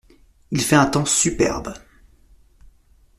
Il fait un temps superbe…